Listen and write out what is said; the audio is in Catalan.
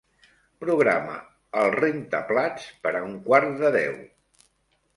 Programa el rentaplats per a un quart de deu.